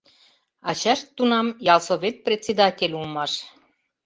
Ачашт тунам ялсовет председатель улмаш.